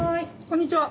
こんにちは。